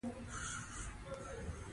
مزارشریف د افغان ځوانانو لپاره دلچسپي لري.